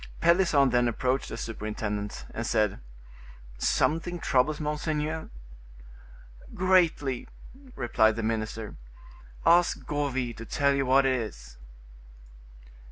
Pelisson then approached the superintendent, and said: "Something troubles monseigneur?" "Greatly," replied the minister; "ask Gourville to tell you what it is."